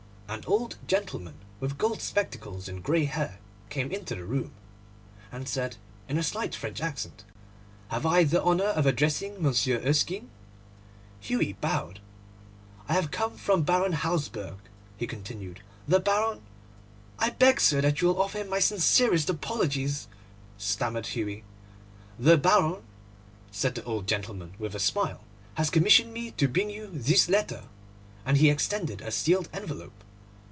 An old gentleman with gold spectacles and grey hair came into the room, and said, in a slight French accent, 'Have I the honour of addressing Monsieur Erskine?' Hughie bowed. 'I have come from Baron Hausberg,' he continued. 'The Baron—' 'I beg, sir, that you will offer him my sincerest apologies,' stammered Hughie. 'The Baron,' said the old gentleman with a smile, 'has commissioned me to bring you this letter'; and he extended a sealed envelope.